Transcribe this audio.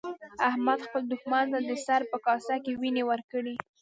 احمد خپل دوښمن ته د سر په کاسه کې وينې ورکړې.